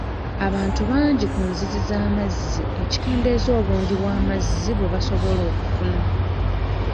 Abantu bangi ku nzizi z'amazzi ekikendeeza obungi bw'amazzi bwe basobola okufuna.